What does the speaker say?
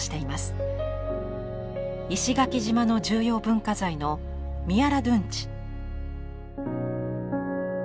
石垣島の重要文化財の宮良殿内。